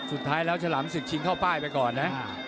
สุดท้ายแล้วฉลามศึกชิงเข้าป้ายไปก่อนนะ